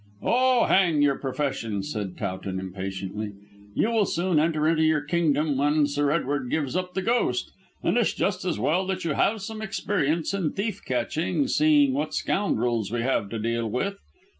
"Oh, hang your profession," said Towton impatiently. "You will soon enter into your kingdom when Sir Edward gives up the ghost. And it's just as well that you have some experience in thief catching seeing what scoundrels we have to deal with.